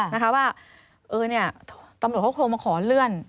นะคะว่าเออเนี่ยตำรวจเขาคงมาขอเลื่อน